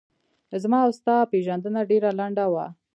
زما و ستا پیژندنه ډېره لڼده وه